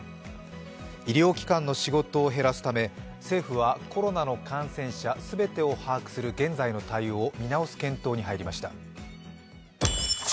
医療機関の仕事を減らすため政府はコロナの感染者全てを把握する現在の対応を見直す検討に入りました。